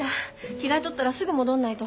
着替え取ったらすぐ戻んないと。